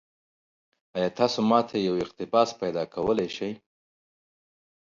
ایا تاسو ما ته یو اقتباس پیدا کولی شئ؟